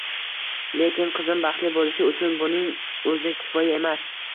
Lekin qizim baxtli bo`lishi uchun buning o`zi kifoya emas